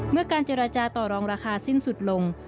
เมื่อการเจรจาต่อรองราคาสิ้นสุดลง